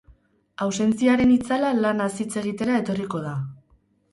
Ausentziaren itzala lanaz hitz egitera etorriko da.